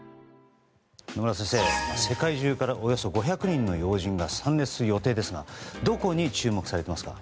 野村先生、世界中からおよそ５００人の要人が参列する予定ですがどこに注目されていますか？